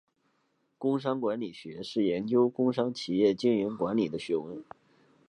工商管理学是研究工商企业经营管理的学问。